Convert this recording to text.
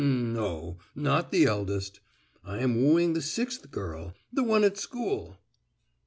"N—no;—not the eldest. I am wooing the sixth girl, the one at school."